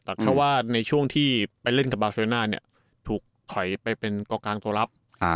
แต่แค่ว่าในช่วงที่ไปเล่นกับบาเซลน่าเนี่ยถูกถอยไปเป็นกองกลางตัวรับ